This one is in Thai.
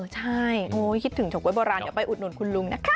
ใช่คิดถึงเฉาก๊วยโบราณเดี๋ยวไปอุดหนุนคุณลุงนะคะ